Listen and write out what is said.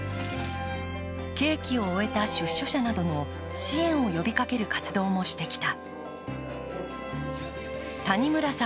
刑期を終えた出所者などの支援を呼びかける活動もしてきた。